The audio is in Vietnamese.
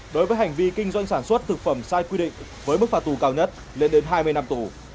đối với hành vi kinh doanh sản xuất thực phẩm sai quy định với mức phạt tù cao nhất lên đến hai mươi năm tù